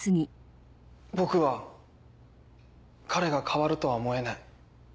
僕は彼が変わるとは思えない。